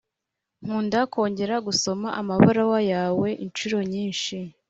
nkunda kongera gusoma amabaruwa yawe inshuro nyinshi